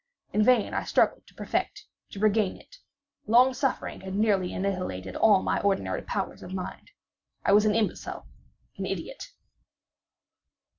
In vain I struggled to perfect—to regain it. Long suffering had nearly annihilated all my ordinary powers of mind. I was an imbecile—an idiot.